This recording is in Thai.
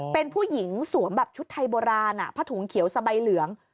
เป็นผู้หญิงสวมแบบชุดไทยโบราณผ้าถุงเขียวสะใบเหลือง